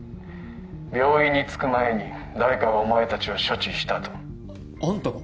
病院に着く前に誰かがお前達を処置したとアンタが！？